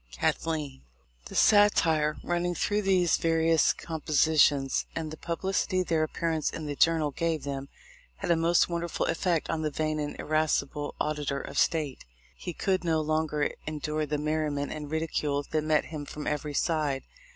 Cathleen. The satire running through these various com positions, and the publicity their appearance in the Journal gave them, had a most wonderful effect on the vain and irascible Auditor of State. He could no longer endure the merriment and ridicule that met him from every side.